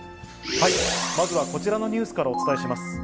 まずはこちらのニュースからお伝えします。